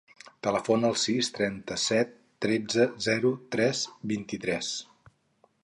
Telefona al sis, trenta-set, tretze, zero, tres, vint-i-tres.